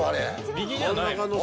右じゃないの？